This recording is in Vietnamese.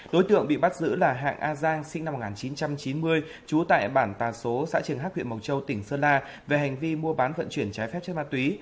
đối tượng bị bắt giữ là hạng a giang sinh năm một nghìn chín trăm chín mươi trú tại bản tà xố xã triển hác huyện mộc châu tỉnh sơn la về hành vi mua bán vận chuyển trái phép chất ma túy